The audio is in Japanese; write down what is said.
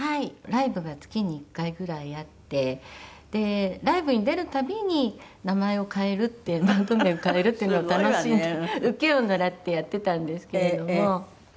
ライブが月に１回くらいあってでライブに出る度に名前を変えるってバンド名を変えるっていうのを楽しんでウケを狙ってやっていたんですけれども。